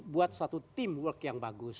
buat satu teamwork yang bagus